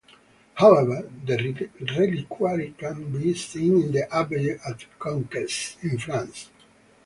However, the reliquary can be seen in the Abbey at Conques, in France.